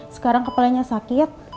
sekarang kepalanya sakit